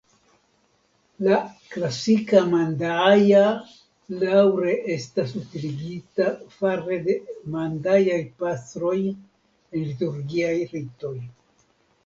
La klasika mandaaja daŭre estas utiligita fare de mandajaj pastroj en liturgiaj ritoj.